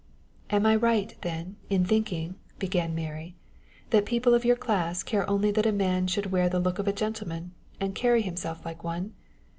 "Am I right, then, in thinking," began Mary, "that people of your class care only that a man should wear the look of a gentleman, and carry himself like one?